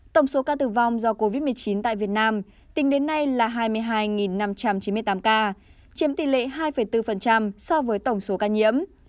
tổng số ca tử vong do covid một mươi chín tại việt nam tính đến nay là hai mươi hai năm trăm chín mươi tám ca chiếm tỷ lệ hai bốn so với tổng số ca nhiễm